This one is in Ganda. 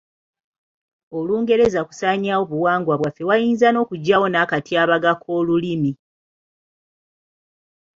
Olungereza kusaanyaawo obuwangwa bwaffe wayinza n'okujjawo n'akatyabaga k'olulimi.